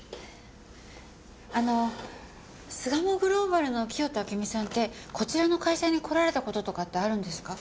あの巣鴨グローバルの清田暁美さんってこちらの会社に来られた事とかってあるんですか。